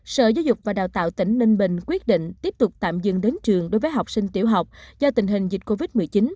sở giáo dục và đào tạo tỉnh ninh bình quyết định tiếp tục tạm dừng đến trường đối với học sinh tiểu học do tình hình dịch covid một mươi chín